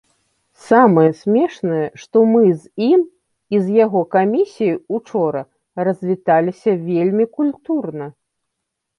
Самае смешнае, што мы з ім і з яго камісіяй учора развіталіся вельмі культурна.